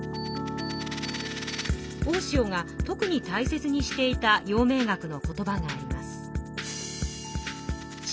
大塩が特にたいせつにしていた陽明学の言葉があります。